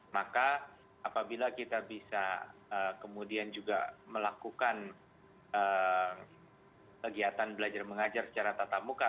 maka apabila kita bisa kemudian juga melakukan kegiatan belajar mengajar secara tatap muka